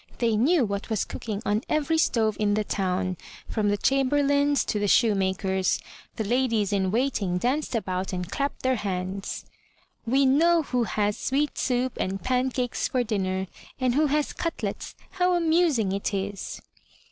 :They knew what was cooking on every stove in the town, from the chamberlain's to the shoemaker's. The ladies in waiting danced about and clapped their hands. "We know who has sweet soup and pancakes for dinner, and who has cutlets; how amusing it is."